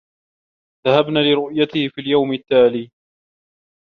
ذهبنا لرؤيته في اليوم التّالي.